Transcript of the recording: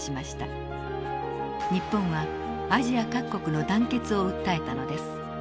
日本はアジア各国の団結を訴えたのです。